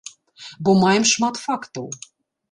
Бо маем шмат фактаў.